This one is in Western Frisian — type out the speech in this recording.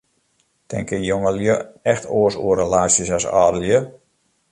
Tinke jongelju echt oars oer relaasjes as âldelju?